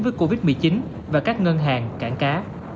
với covid một mươi chín và các ngân hàng cảng cá